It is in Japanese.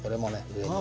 上に。